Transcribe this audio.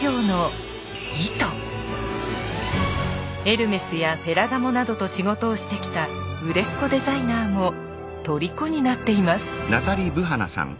エルメスやフェラガモなどと仕事をしてきた売れっ子デザイナーも虜になっています。